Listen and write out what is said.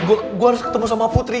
gue harus ketemu sama putri